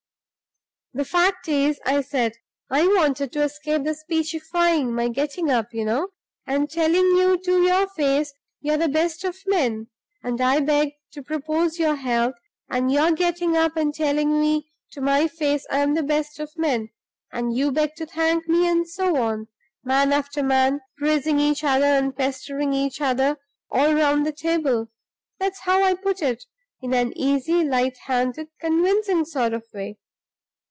'The fact is,' I said, 'I wanted to escape the speechifying my getting up, you know, and telling you to your face you're the best of men, and I beg to propose your health; and your getting up and telling me to my face I'm the best of men, and you beg to thank me; and so on, man after man, praising each other and pestering each other all round the table.' That's how I put it, in an easy, light handed, convincing sort of way.